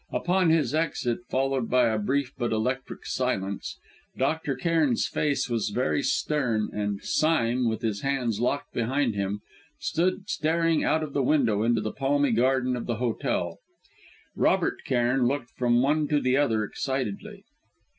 Upon his exit followed a brief but electric silence. Dr. Cairn's face was very stern and Sime, with his hands locked behind him, stood staring out of the window into the palmy garden of the hotel. Robert Cairn looked from one to the other excitedly.